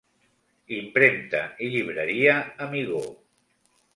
Impremta i Llibreria Amigó.